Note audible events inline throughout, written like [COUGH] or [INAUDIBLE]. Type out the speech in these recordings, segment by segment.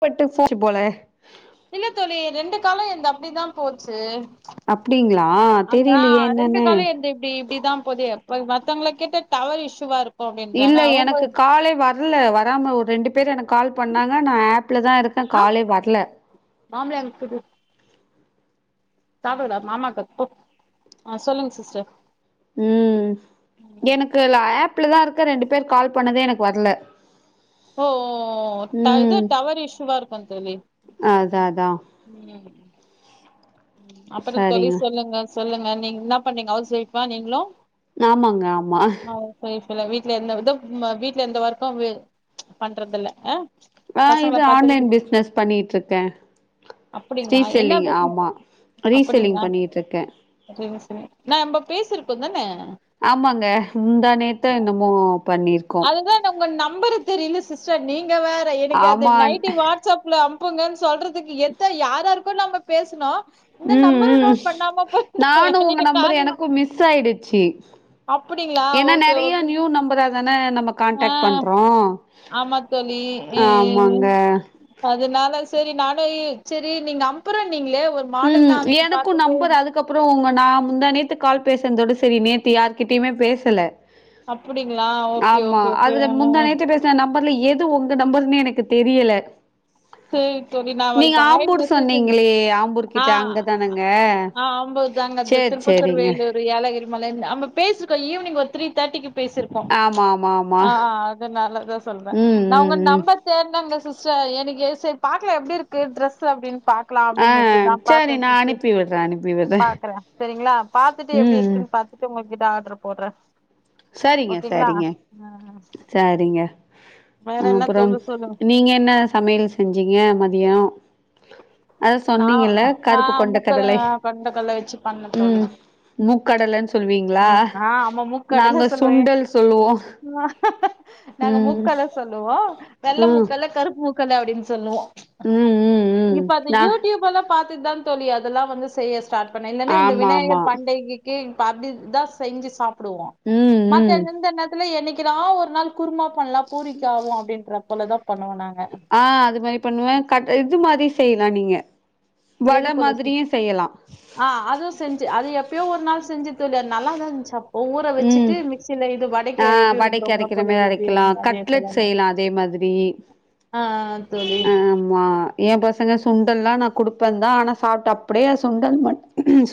பட்டு போச்சி போல இல்ல தோழி ரெண்டு காலு என்து அப்டிதா போச்சு அப்டிங்களா அங்க தெரியலையே ரெண்டு என்னன்னு காலோ என்து இப்டி இப்டிதா போது இப்ப மத்தவங்கள கேட்டா டவர் இஷ்யூவா இருக் இல்ல எனக்கு காலே வர்ல வராம ஒரு ரெண்டு பேர் எனக்கு கால் பண்ணாங்க நா ஆப்ல தா இருக்கே ஆ காலே வரல மாம்பழம் ஆ, சொல்லுங்க சிஸ்டர் ம் எனக்கு ல ஆப் ஆப்லதா இருக்க ரெண்டு பேர் கால் பண்ணதே எனக்கு வரல ஓ இது ம் டவர் இஷ்யூவா இருக்கு தோழி, அதா அதா ம் அப்பற தோழி சரிங்க சொல்லுங்க சொல்லுங்க நீங்க என்னா பண்ணீங்க ஹவுஸ் ஒய்ஃப்பா நீங்களு ஆமாங்க ஆமா சொல்ல வீட்ல எந்த இது ம் வீட்ல எந்த ஒர்க்கு இ பண்றதில்ல அ ஆ இது ஆன்லைன் பிஸ்னஸ் பண்ணிட்டு இருக்கே, ஸ்ரீசெல்லிங் ஆமா ரீசெல்லிங் அப்படிங்களா பண்ணிட்டு இருக்கே சரி சரி நம்ப பே செரி இப்ப என்னன்ன ஆமாங்க முந்தானேத்தே என்னமோ பண்ணிருக் அதுதா நா உங்ள உன்ன அம்பரத்தர் இல்ல சிஸ்டர் நீங் வேற எனக்கு அது ஆமா நைட்டு வாட்ஸ் அப்ல அனுப் ப்புங்கன் சொல்றத்துக்கு எத்த யாரார்க்கோ நம்ம பேசுனோ இந்த உம் நம்பர உம் நோட் பண்ணாம போயிட்டோ நானு உங்க என்கிட்ட நம்பர் காலு எனக்கு மிஸ் ஆயிடுச்சு அப்டிங்களா ஏனா ஓகே நெறையா ஓகே நியூ நம்பரா ன் நம்ம ஆ கண்டாக்ட் பண்றோ ஆமா தோழி இ ஆமாங்க செரி நானு செரி நீங்க அம்புறம் நீங்ளே ஒரு மாடல் ம் மாருச்சு எனக்கு பாக்கட்டும் நம்பர் அதுக்கப்புறோ உங்க நா முந்தா நேத்து கால் பேசன்தோட செரி நேத்து யார்கிட்டயுமே பேசல அப்டிங்ளா ஓகே ஓகே போகனு ம்பர்ல எது ஒங்க நம்பர்ன்னே எனக்கு தெரியல சேரி தெரி நா நீங்க வைப்பாய் ஆம்பூர் நிற்த்தச் சொல்லு சொன்னீங்களே ஆம்பூர் கிட்ட அவ்ங்கப் போனாங்ளா சேரி சேரிங்க கிரிமலன்னு அந்த பேசிருக்கோ ஈவ்னிங் ஒரு த்ரீ தேர்ட்டிக்கு பேசிருப்போ ஆமா ஆமா ஆமா ஆஹ் ஆஹ் அதனாலதா சொல்றே ம் நா உங்க ம் ம் நம்பர் தேட்னேங்க சிஸ் சோ எனக்கே சேரி பாக்லா எப்டி இருக்கு ட்ரெஸ் அப்டின் பாக்லா ஆ அப்டின்னுட்டுதா சரி பாத்தேங் நா சிஸ்டர் அனுப்பி விட்றே அனுப்பி அஹ் விட்றே பாக்கறே செரிங்ளா பாத்துட்டு எப்டி ம் ம் இருக்குன் பாத்துட்டு ஒங்களுக்கு இப்ப ஆடர்ரு போடுறே சரிங்க ஓகேங்களா சரிங்க ஆ சரிங்க வேற என்ன அப்றம் தோழி சொல்லுங்க நீங்க என்ன சமையல் செஞ்சு சீங்க மதியோ அதா நா சொன்னீங்கல்ல ஆ கருப்பு கொண்ட முக்கட கடல கொண்ட கடல வச்சு பண்ணே தோழி உம் மூக்கடலன் சொல்வீங்ளா கடல சொல்லுவே நா நாங்க ம் மூக்கட்ல சொல்லுவோ வெள்ள ம் மூக்கட்ல கருப்பு க்கட்ல அப்டின் சொல்லுவே ம் ம் ம் இப்ப அது நா யூட்யூப் எல்லா பாத்துட்டு தா தோழி அதெல்லா வந்து செய்ய ஸ்டார்ட் பண்ணே இல்லனா இந்த ஆமா ஆமா விநாயகர் பண்டிகைக் கி படிதா செஞ்சு சாப் டுவோ ம் மத்த ம் இந் இந்த நேரத்துல என்னைக்கு குறா ஒரு நாளு குருமா பண்லா பூரிக்காவு அப்டின்ற போலதாப் பண்ணுவோ நாங் ஆ அது மாரி பண்ணுவே கட் இது மாரி செய்லா நீங்க வட மாதிரியு செய்யலா ஆ அதுவு செஞ்சு அது எப்பயோ ஒர் நாள் செஞ்சந் தோழி அது நல்லாதா இருஞ்சு அப் ஒவ் ஊர ம் வச்சுட்டு மிக்சில இது வடைக்க ஆ எப்டி வடைக்கு ருக்குறோமோ அரைக்கிற மாரி அரைக்கலா [UNINTELLIGIBLE] அதே போல கட்லெட் செய்யலா அதே மாதிரி ஆ ஆ ஆ தோழி ஏம் பசங்க சுண்டல்லா நா குடுப்பந்தா ஆனா சாப்ட்ட அப்டியே சுண்டல் மட்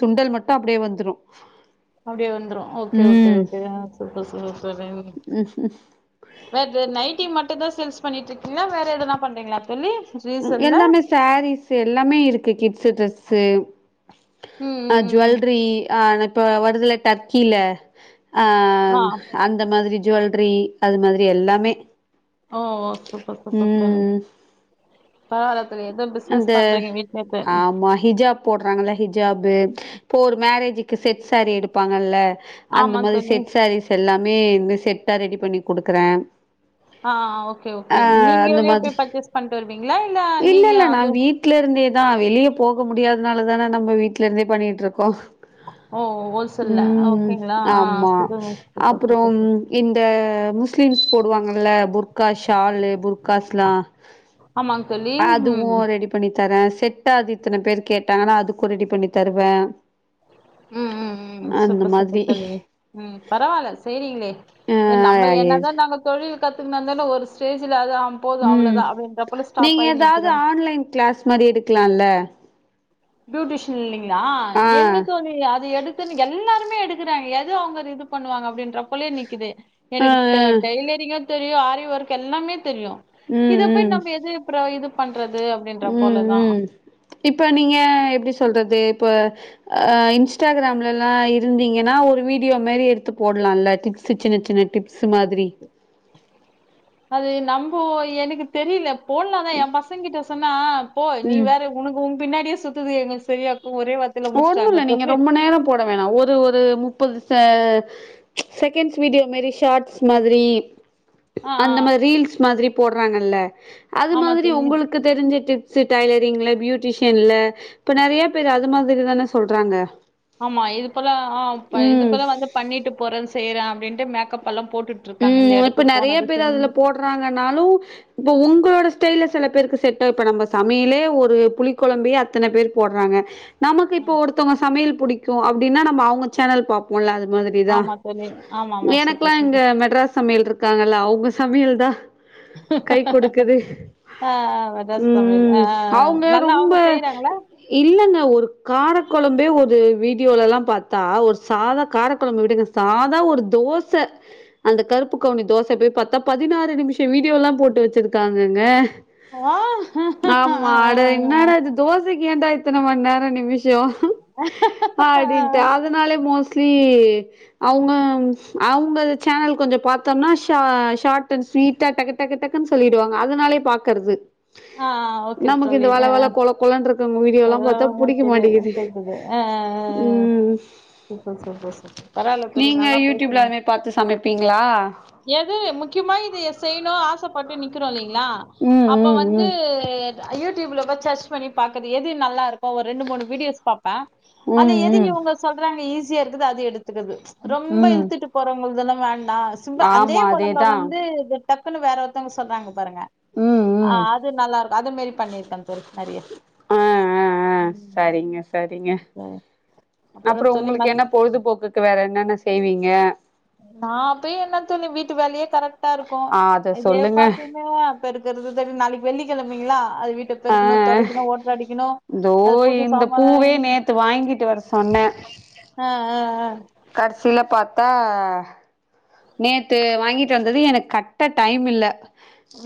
சுண்டல் மட்டு அப்டியே வந்த்ரு அப்டியே வந்த்ரு ஓகே ஓகே ஓகே ஆ சூப்பர் சூ [UNINTELLIGIBLE] வேற நைட்டி மட்டுந்தா சேல்ஸ் பண்ணிட்ருக்கிங்ளா வேற எதுனா பண்றிங்ளா தோழி ரீசெல்ல எல்லாமே சாரீஸ் எல்லாமே இருக்கு கிட்ஸு ட்ரெஸ்சு ம் அ ம் ம் ஜுவெல்ரி ஆ இப்ப வருதுல டர்க்கில ஆ ஆ அந்த மாதிரி ஜுவல்ரி அது மாதிரி எல்லாமே ஓ ஓ சூப்பர் சூப்பர் தோழி ம் பரவால அந்த ஆமா ஹிஜாப் போடுறாங்கள ஹிஜாபு இப்போ ஒரு மேரேஜுக் கு செட் சாரீ எடுப்பாங்கல்ல அந்த ஆமா மாரி தோழி செட் சாரீஸ் எல்லா மே செட்டா ரெடி பண்ணி குடுக்குற ஆ ஓகே ஓகே நீங்களே மாதிரி போய் பர்ச்சேஸ் பண்ட்டு வருவிங்ளா இல்ல நீங்க நா அது வீட்லருந்தே தா வெளிய போக முடியாததுனால தானே நம்ம வீட்ல இருந்தே பண்ணிட்ருக்கோ ஓ ஹோல்சேல்ல ம் ஓகேங்களா ஆ ஆமா சூப்பர் சூப்பர் அப்றம் சூப்பர் இந்த முஸ்லீம்ஸ் போடுவாங்கல்ல புர்கா ஷாலு புர் காஸ்லா ஆமாங்க தோழி அ துவு ம் ரெடி பண்ணி தரே செட்டா அது இத்தன பேர் கேட்டாங்கனா அதுக்கு ரெடி பண்ணி தருவே ம் ம் ம் சூப்பர் சூப்பர் மாதிரி தோழி ம் பரவால்ல செய்றிங்ளே ஆ நம்ம எது என்னதா நாங்க தொழில் கத்துக்குந்த ஒருஸ்டேஜ் உம் நீங்க ஆயி ஏதாவது நிக்கிறோ ஆன்லைன் கிளாஸ் மாதிரி எடுக்கலாம்ல பியூட்டிஷியன் எங்க தோழிஅது எடுத்துன்னு எல்லாருமே எடுத்து இருக்காங்க எது அவுங்க இது பண்ணுவாங்க அப்டின்ற போலீ நக்குது ஆ எனக்கு ஆ ட்லரிங்கும் தெரியும் ஆ ஒருக்கு எல்லாமே தெரியு ம் இத போய் ம் நம்ம எது இப்புறம் இது பண்றது அப்படின்ற ம் போலதா எப்படி சொல்றது இப்ப இன்ஸ்டாகிராம்ல எல்லாம் இருந்தீங்கன்னா ஒரு வீடியோ மாரி எடுத்து போடலாம் டிப்ஸு சிண்ண மாதிரி ஓ எனக்கு தெரில போடலாம் தான் என் பசங்கிட்ட சொன்னா போ நீ ம் வேற உனக்கு பின்னாடியே சுத்துது எங்களுக்கு தெரியாது ஒண்ணும் இல்ல நீங்க ரொம்ப நேரம் போட வேணா ஒரு ஒரு முப்பதுச செகண்ட்ஸ் வீடியோ மரி ஷார்ட்ஸ் மாதிரி ஆ அந்த ஆ, மாரி ரீல்ஸ் மாதிரி போட வாங்கல [UNINTELLIGIBLE] அது ஆமா மாதிரி தோழி உங்களுக்கு தெரிஞ்ச டிப் டைலரிங்ல பியூட்டிஷியன்ல இப்ப நெறைய பேரு அது மாரி க்கு தான சொல்றாங்க ஆமா இது போல ஆ இது ம் போல வந்து பண்ணிட்டு போறேன்னு செய்யறே அப்டின்ட்டு மேக்கப் எல்லாம் போட்டுட்டு இருக்காங்க இந்த உம் இப்ப இடத்துக்கு நெறைய போனது பேர் செஞ்சு அதுல போடுறாங்கன்னாலு இப்ப உங்களோட ஸ்டைல சில பேருக்கு செட்ட இப்ப நம்ம சமையலே ஒரு புளி கொழம்ப அத்தனை பேர் போடுறாங்க நமக்கு இப்ப ஒருத்தவங்க சமையல் பிடிக்கூ அப்பின்னா நம் அவுங்க சேனல் பாப்போம்ல அது மாதிரிதா ஆமா செரி ஆமா ஆமா எனக்கெல்லா சூப்பர் இங்க சூப்பர் சமையல் இருக்காங்கல்ல அவுங்க சமையல் தான் கை கொடுக்குது ஆஹ் ரஸ் சமையல் உம் ஆஹ் அவுங்க நல்லா ரொம்ப அவங்க செய்யறாங்களா இல்லைங்க ஒரு கார ர கொழம்பே ஒரு வீடியோல எல்லாம் பார்த்தா ஒரு சாதா காரைக்கொழம்பு விடுங்க சாதா ஒரு தோச அந்த கருப்பு கவுனி தோச போய் பார்த்தா பதினாறு நிமிஷோ வீடியோ எல்லாம் போட்டு வச்சிருக்காங்கங்க ஆ ஆமா இன்னாட அது தோச [UNINTELLIGIBLE] மண்ணேிஷம் அப்படின்ட்டு அதனாலே மோச அவுங்க அவுங்க சேனல் கொஞ்சோ பாத்தம்னா ஷ ஷார்ட் அண்ட் ஸ்வீட்டா டக்கு டக்கு டக்குன் சொல்லிடுவாங்க அதனாலே பாக்கறது ஆஹ் ஆஹ் ஓகே தோழி எஹ் எஹ் கொலன்னு இருக்கவங்க வீடியோல்லா அதல்லா பாத்தா நமக் புடிக்க தெரியாது மாட்டேங்குது [UNINTELLIGIBLE] அஹ் ம் அஹ் அஹ் அஹ் அஹ் பரவால்ல தோழி நல்லா பேசறீங்க வெப்பீங்களா எது முக்கியமா இதைய செய்ணு ஆசப்பட்டு நிக்கிறோ இல்லீங் களா ம் அப்ப ம் வந்து ம் அ யூடியூப்ல போய் சர்ச் பண்ணி பாக்கறது எது நல்லாருக்கு ஒரு ரெண்டு மூணு வீடியோஸ் பாப்பே அதுல எதுங்க ம் ம் உங்க சொல்றாங்க ஈ ஸியா இருக்குதோ அது எடுத் துகறது ரொம்ப ம் இழுத்துட்டு போறவங்கள்தெல்லா வேண்டா நம்ப அதே ஆமா கொழம்ப அதேதா வந்து [UNINTELLIGIBLE] டக்குனு வேற ஒருத்தவங்க சொல்றாங்க பாருங்க ம் ம் ஆஹ் அது நல்லாருக்கு அது மேரி பண்ணிருக்கே தோழி நறிய [INAUDIBLE] ஆ ஆ ஆ சரிங்க சரிங்க அப்பறோ அப்புறோ தோழி உங்களுக்கு மத் என்ன பொழுதுபோக்குக்கு வேற என்னென்ன செய்வீங்க நா அப்பயு என்ன தோழி வீட்டு வேலயே கரெக்ட்டா இருக்கு ஆ அத இதே சொல்லுங்க பாத்தய்மே பெருக்கறது [UNINTELLIGIBLE] நாளைக் வெள்ளிக்கெழமைங்ளா அது வீட்டு ஆஹ் இதோ அது புது இந்த பூவே சாமான் நேத்து வாங்கிட்டு வர சொன்னே ஆஹ் கடசில பாத் தா நேத்து வாங்கிட்டு வந்தது எனக் கட்ட டைம் இல்ல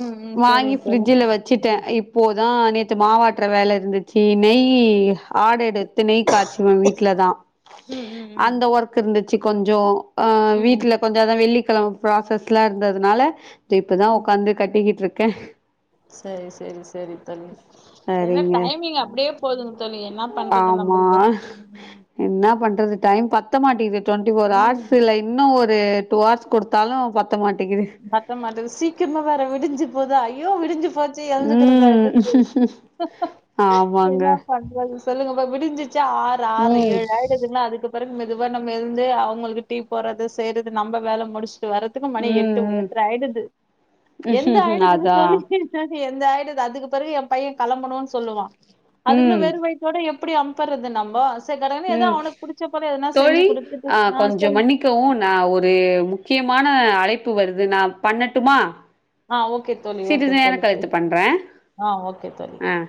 ம் ம் வாங்கி சரிங்க தோழி ஃபிரிட்ஜுல வச்சுட்டே இப்போ தா நேத்து மாவாட்ற வேல இருந்துச்சி நெய் ஆட எடுத் து நெய் காச்சுவே வீட்ல தா ம் ம் ம் அந்த ஒர்க்கு இர்ந்து ச்சு கொஞ்சோ ம் ம் [UNINTELLIGIBLE] தா வெள்ளிக்கெழம ப்ராசஸ்லா இர்ந்ததுனால ட்டு இப்ப தா ஒக்காந்து கட்டிகிட்ருக் கே செரி செரி செரி தோழி தெனோ சரிங்க டைமிங் அப்டியே போதுங்க தோழி என்ன பண்றது ஆமா நம்மளுக்கு என்னா பண்றது டைம் பத்த மாட்டிகிது ட்வெண்டி ஃபோர் ம் ஆர்ஸ்ல இன்னு ஒரு டூ ஆர்ஸ் குடுத்தாலு பத் பத்த மாட்டுது சீக்கிரமா வேற விடிஞ்சு போதா ஐ யோ விடிஞ்சு போச்சு எழுந்துக்றதா இது ம் ஆமாங்க என்னா பண்றது சொல்லுங்க இப்ப விடிஞ்சிச் ச்சு ஆறு ஆட்ற ம் ஏழு ஆயிடுதுங்ளா அதுக்கு பிறகு மெதுவா நம்ப எழுந்து அவுங்ளுக்கு டீ போட்றது செய்றது நம்ப வேல முடிச் வரத்துக்கு மணி எட் டு ம் எட்ற ஆயிடுது எந்த ம் ஆயிடுதுனு அதா தோழி ந்த ஆயிடுது அதுக்கு பிறகு ஏ பைய களம்புனுனு சொல்லுவா அதுகுள்ள ம் வெறு வய்த்தோட எப் எப்டி அன்ப்புறது நம்போ சரி கடகடன்னு ஏதோ ம் அவனுக்கு புடிச்ச போல எதனா செஞ்சு தோழி குடுத்துட்டு ஆ கொஞ்சோ சொல்லுங்க மன்னிக்கவு நா ஒரு முக்கியமான அழைப் பு வருது நா பண்ணட்டுமா ஆ ஓகே தோழி ஓகே சிறிது நேரோ தோழி கழித்து பண்றே ஆ ஓகே தோழி ஆ